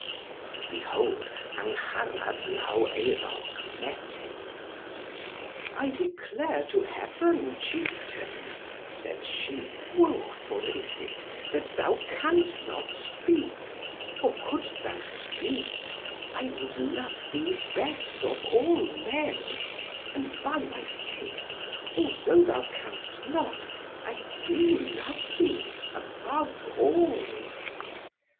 And behold, Angharad Law Eurawc met him. "I declare to Heaven, chieftain," said she, "woeful is it that thou canst not speak; for couldst thou speak, I would love thee best of all men; and, by my faith, although thou canst not, I do love thee above all."